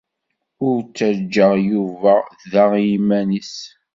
Ur ttajjaɣ Yuba da i yiman-nnes.